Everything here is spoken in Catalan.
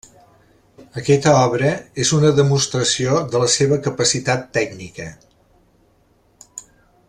Aquesta obra és una demostració de la seva capacitat tècnica.